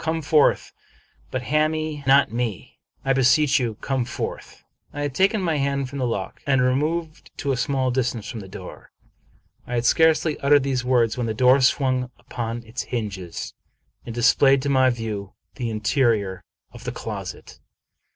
Come forth, but hami me not. I beseech you, come forth." I had taken my hand from the lock and removed to a small distance from the door. I had scarcely uttered these words, when the door swung upon its hinges and displayed to my view the interior of the closet.